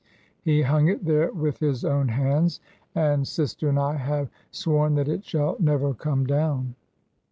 He hung it there with his own hands, and sister and I have sworn that it shall never come down."